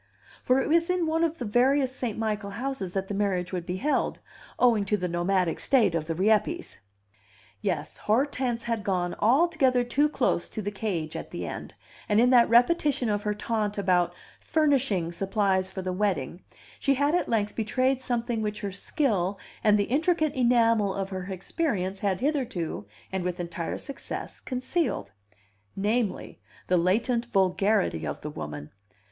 For it was in one of the various St. Michael houses that the marriage would be held, owing to the nomadic state of the Rieppes. Yes, Hortense had gone altogether too close to the cage at the end, and, in that repetition of her taunt about "furnishing" supplies for the wedding, she had at length betrayed something which her skill and the intricate enamel of her experience had hitherto, and with entire success, concealed namely, the latent vulgarity of the woman.